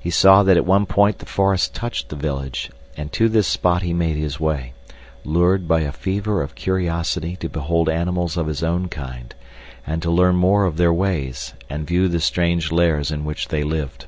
He saw that at one point the forest touched the village, and to this spot he made his way, lured by a fever of curiosity to behold animals of his own kind, and to learn more of their ways and view the strange lairs in which they lived.